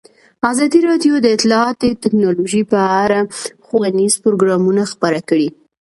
ازادي راډیو د اطلاعاتی تکنالوژي په اړه ښوونیز پروګرامونه خپاره کړي.